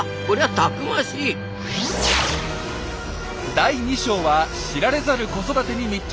第２章は知られざる子育てに密着。